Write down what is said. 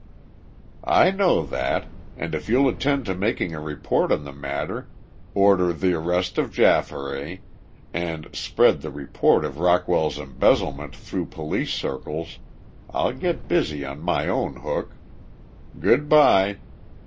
"I know that and if you'll attend to making a report on the matter, order the arrest of Jafferay, and spread the report of Rockwell's embezzlement through police circles, I'll get busy on my own hook. Good by."